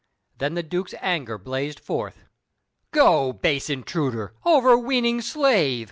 Then the Duke's anger blazed forth. "Go, base intruder! Overweening slave!"